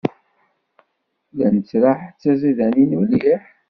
La nettraḥ d tiẓidanin mliḥ.